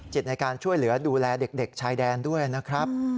ในการช่วยเหลือดูแลเด็กชายแดนด้วยนะครับ